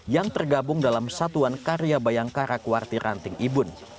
yang tergabung dalam satuan karya bayangkara kuartiranting ibun